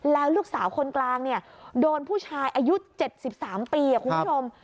แล้วลูกสาวคนกลางเนี่ยโดนผู้ชายอายุ๗๓ปีคุณผู้ชม